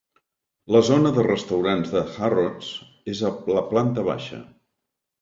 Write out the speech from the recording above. La zona de restaurants de Harrods és a la planta baixa.